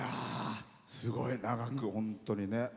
すごい長く、本当にね。